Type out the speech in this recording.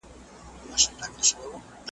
¬ برخي وېشه، مړونه گوره.